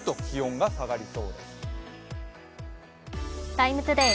「ＴＩＭＥ，ＴＯＤＡＹ」